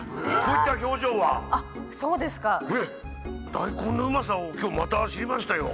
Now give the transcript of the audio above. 大根のうまさを今日また知りましたよ。